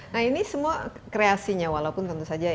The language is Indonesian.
nah ini semua kreasinya walaupun tentu saja